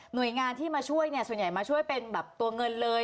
หน่วยงานที่มาช่วยส่วนใหญ่มาช่วยเป็นตัวเงินเลย